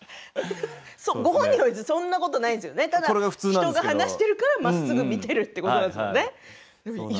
ご本人はそんなことないですね人が話しているからまっすぐ見ているということですよね。